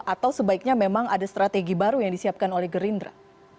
atau sebaiknya memang ada strategi baru yang disiapkan oleh gerindra